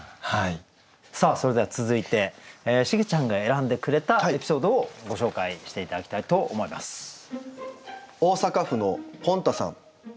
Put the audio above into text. さあそれでは続いてシゲちゃんが選んでくれたエピソードをご紹介して頂きたいと思います。